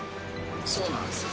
そうなんですよ。